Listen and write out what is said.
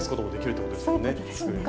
そういうことですね。